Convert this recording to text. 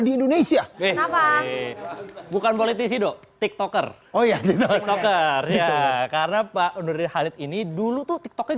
indonesia eh bukan politisi do tiktoker oh ya karena pak nurdin halid ini dulu tuh tiktoknya